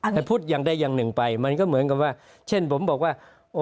แต่พูดอย่างใดอย่างหนึ่งไปมันก็เหมือนกับว่าเช่นผมบอกว่า